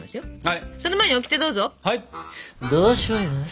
はい。